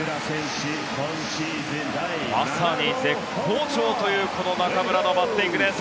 まさに絶好調というこの中村のバッティングです。